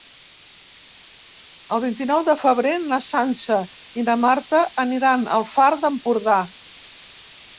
El vint-i-nou de febrer na Sança i na Marta aniran al Far d'Empordà.